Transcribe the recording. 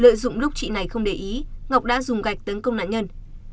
lợi dụng lúc chị này không để ý ngọc đã dùng gạch tấn công nạn nhân